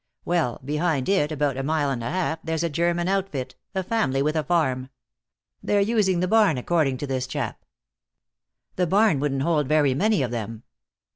Well, behind it, about a mile and a half, there's a German outfit, a family, with a farm. They're using the barn, according to this chap." "The barn wouldn't hold very many of them."